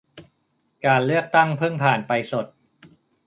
การเลือกตั้งเพิ่งผ่านไปสด